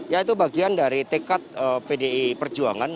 ya itu bagian dari tekad pdi perjuangan